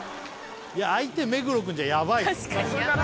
相手目黒君じゃヤバいよ。